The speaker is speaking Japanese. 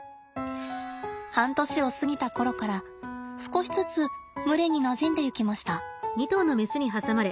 半年を過ぎたころから少しずつ群れになじんでいきました。